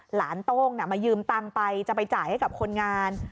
โต้งมายืมตังค์ไปจะไปจ่ายให้กับคนงาน